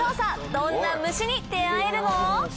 どんな虫に出合えるの？